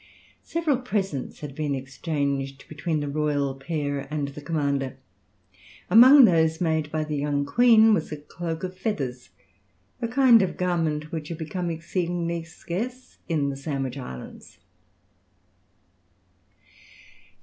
Several presents had been exchanged between the royal pair and the commander. Among those made by the young queen was a cloak of feathers, a kind of garment which had become exceedingly scarce in the Sandwich Islands.